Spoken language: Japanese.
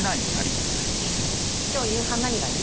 今日夕飯何がいい？